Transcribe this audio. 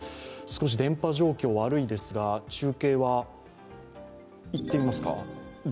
少し電波状況が悪いですが、中継、いってみますか。